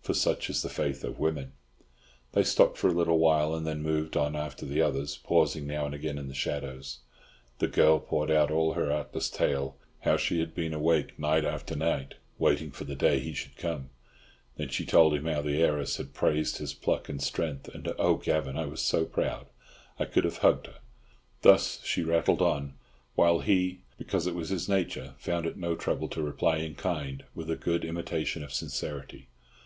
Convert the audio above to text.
For such is the faith of women. They stopped for a little while, and then moved on after the others, pausing now and again in the shadows. The girl poured out all her artless tale—how she had been awake night after night, waiting for the day he should come. Then she told him how the heiress had praised his pluck and strength. "And oh! Gavan, I was so proud, I could have hugged her!" Thus she rattled on, while he, because it was his nature found it no trouble to reply in kind, with a good imitation of sincerity.